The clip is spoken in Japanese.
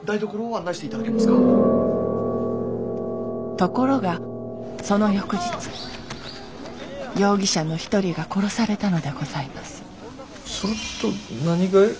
ところがその翌日容疑者の一人が殺されたのでございますすると何かい？